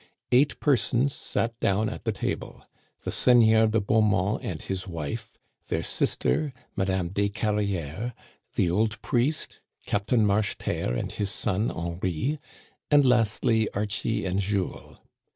Eight persons sat down at the table — the Seig neur de Beaumont and his wife ; their sister, Madame Descarrières ; the old priest ; Captain Marcheterre and his son Henri ; and lastly Archie and Jules.